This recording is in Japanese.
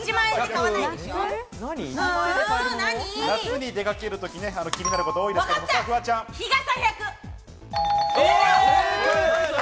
夏に出かけるとき、気になることが多いですが。